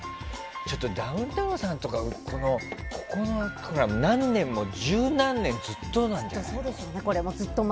ちょっとダウンタウンさんとかここの枠が何年も、十何年もずっとなんだろうね。